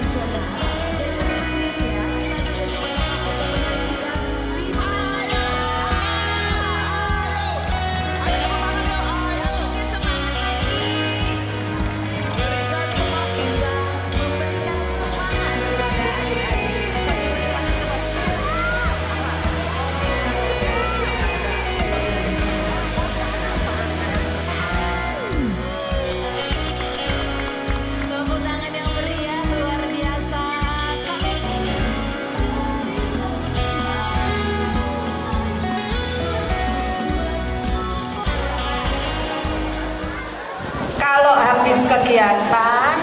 kalau habis kegiatan